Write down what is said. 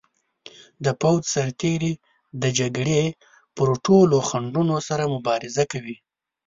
د پوځ سرتیري د جګړې پر ټولو ځنډونو سره مبارزه کوي.